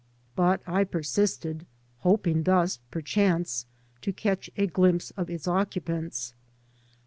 . But I persisted, hoping thus perchance to catch a gUmpse of its occupants.